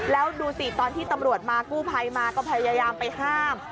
แล้วดูสิตอนที่ตำรวจมากู้ภัยมาก็พยายามไปห้าม